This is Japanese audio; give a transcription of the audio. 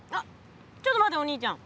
ちょっと待ってお兄ちゃん。